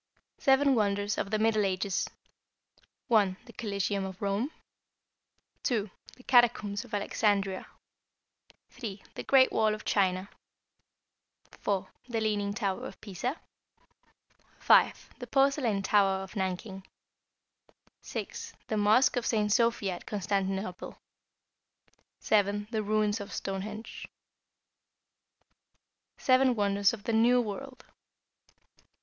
=Seven Wonders of the Middle Ages.= (1) The Coliseum at Rome, (2) the Catacombs of Alexandria, (3) the Great Wall of China, (4) the Leaning Tower of Pisa, (5) the Porcelain Tower of Nanking, (6) the Mosque of St. Sophia at Constantinople, (7) the Ruins of Stonehenge. =Seven Wonders of the New World.